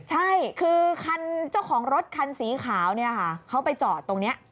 ใช่คือเจ้าของรถคันสีขาวเขาไปจอดตรงนี้